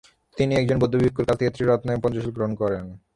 তিনি একজন বৌদ্ধ ভিক্ষুর কাছ থেকে ত্রিরত্ন এবং পঞ্চশীল গ্রহণ করেন।